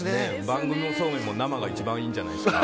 番組もそうめんも生が一番いいんじゃないですか。